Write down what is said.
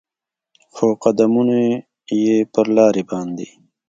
خو قدمونو یې پر لارې باندې